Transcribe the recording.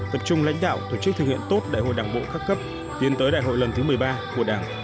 tập trung lãnh đạo tổ chức thực hiện tốt đại hội đảng bộ các cấp tiến tới đại hội lần thứ một mươi ba của đảng